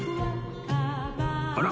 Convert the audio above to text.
あら！